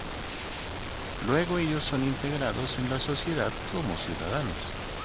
Luego ellos son integrados en la sociedad como ciudadanos.